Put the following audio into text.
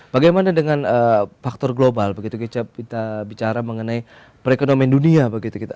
bagaimana dengan faktor global begitu kita bicara mengenai perekonomian dunia begitu kita